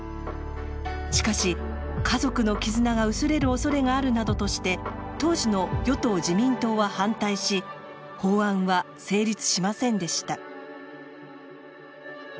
しかし「家族の絆が薄れる恐れがある」などとして当時の与党自民党は反対し法案は成立しませんでした。